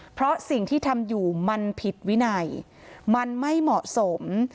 เพราะสิ่งที่ทำอยู่มันผิดวินัยมันไม่เหมาะสม